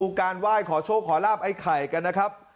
การไหว้ขอโชคขอลาบไอ้ไข่กันนะครับ